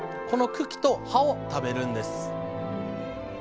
この茎と葉を食べるんです。